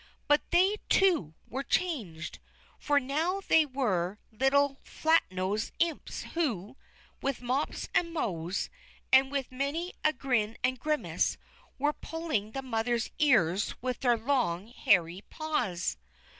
But they, too, were changed! For now they were little flat nosed Imps who, with mops and mows, and with many a grin and grimace, were pulling the mother's ears with their long, hairy paws.